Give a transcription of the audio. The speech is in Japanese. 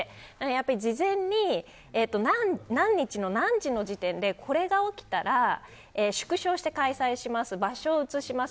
やっぱり事前に何日の何時の時点でこれが起きたら縮小して開催します場所を移します